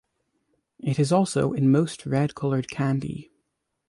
It is also in most red-coloured candy.